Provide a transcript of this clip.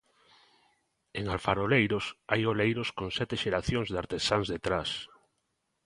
En 'Alfaroleiros' hai oleiros con sete xeracións de artesáns detrás.